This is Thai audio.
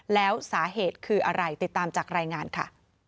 แล้วสาเหตุคืออะไรติดตามจากรายงานค่ะ